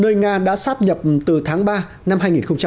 nơi nga đã sắp nhập từ tháng ba năm hai nghìn một mươi bốn